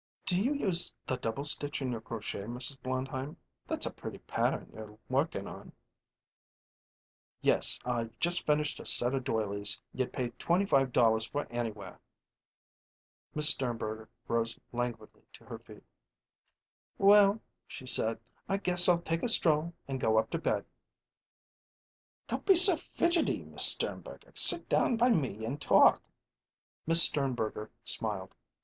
"Do you use the double stitch in your crochet, Mrs. Blondheim? That's a pretty pattern you're workin' on." "Yes. I've just finished a set of doilies you'd pay twenty five dollars for anywhere." Miss Sternberger rose languidly to her feet. "Well," she said, "I guess I'll take a stroll and go up to bed." "Don't be so fidgety, Miss Sternberger; sit down by me and talk." Miss Sternberger smiled.